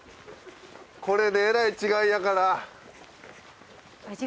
これでえらい違いやから。